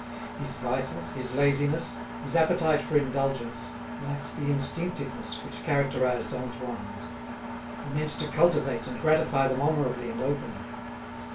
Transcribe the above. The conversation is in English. His vices, his laziness, his appetite for indulgence, lacked the instinctiveness which characterised Antoine's; he meant to cultivate and gratify them honourably and openly.